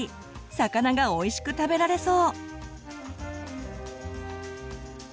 魚がおいしく食べられそう！